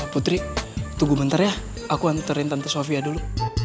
putri tunggu bentar ya aku antarin tante sofia dulu